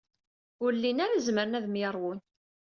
Ur llin ara zemren ad myeṛwun.